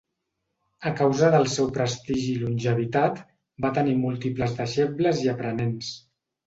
A causa del seu prestigi i longevitat, va tenir múltiples deixebles i aprenents.